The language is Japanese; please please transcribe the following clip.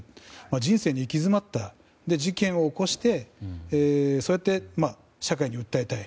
人生に行き詰まったそして、事件を起こしてそうやって社会に訴えたい。